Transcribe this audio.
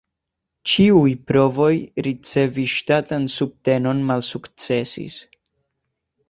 Ĉiuj provoj ricevi ŝtatan subtenon malsukcesis.